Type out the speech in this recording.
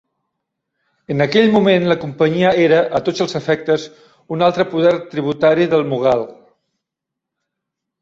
En aquell moment la Companyia era, a tots els efectes, un altre poder tributari del Mughal.